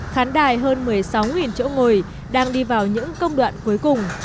khán đài hơn một mươi sáu chỗ ngồi đang đi vào những công đoạn cuối cùng